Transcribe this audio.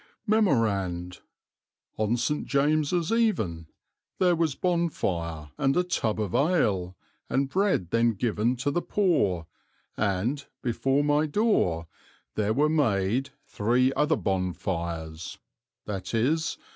"Memorand. On St. James's Even, there was bonefire, and a tub of ale, and bread then given to the poor, and, before my doore, there were made, three other bonefires, viz.